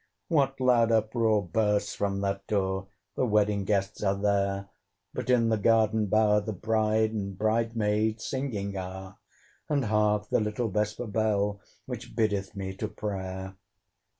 What loud uproar bursts from that door! The wedding guests are there: But in the garden bower the bride And bride maids singing are: And hark the little vesper bell, Which biddeth me to prayer!